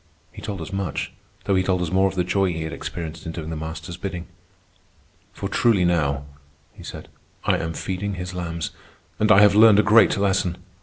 He told us much, though he told us more of the joy he had experienced in doing the Master's bidding. "For truly now," he said, "I am feeding his lambs. And I have learned a great lesson.